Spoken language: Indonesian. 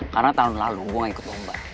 karena tahun lalu gua gak ikut lomba